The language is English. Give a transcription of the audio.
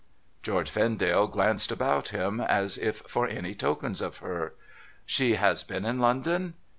George Vendale glanced about him, as if for any tokens of her. ' She has been in London